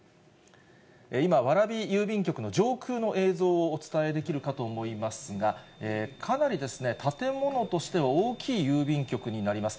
今、蕨郵便局の上空の映像をお伝えできるかと思いますが、かなり建物としては大きい郵便局になります。